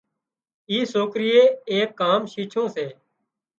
اي سوڪريئي ايڪ ڪام شيڇُون سي